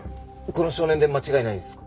この少年で間違いないですか？